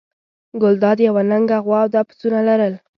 ګلداد یوه لنګه غوا او دوه پسونه لرل.